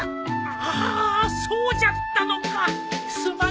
ああそうじゃったのかすまんのう。